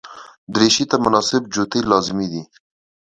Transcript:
دریشي ته مناسب جوتي لازمي دي.